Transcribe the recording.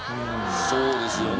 そうですよね。